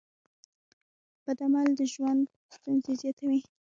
بد عمل د ژوند ستونزې زیاتوي.